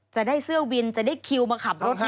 จะได้เสื้อวินจะได้คิวมาขับรถ